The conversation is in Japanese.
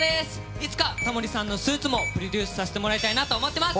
いつかタモリさんのスーツもプロデュースさせてもらいたいなと思います。